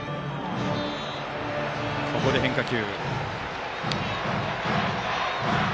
ここで変化球。